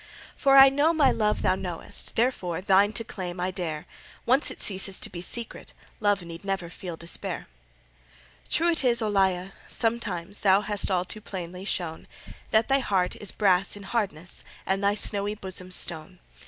For I know my love thou knowest, Therefore thine to claim I dare: Once it ceases to be secret, Love need never feel despair. True it is, Olalla, sometimes Thou hast all too plainly shown That thy heart is brass in hardness, And thy snowy bosom stone.